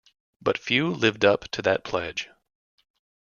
But few lived up to that pledge.